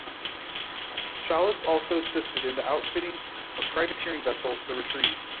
Shallus also assisted in the outfitting a privateering vessel, the "Retrieve".